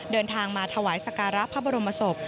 เดินทางมาถวายสการะพระบรมศพ